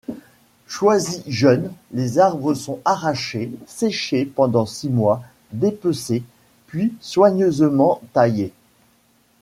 Choisis jeunes, les arbres sont arrachés, séchés pendant six mois, dépecés, puis soigneusement taillés.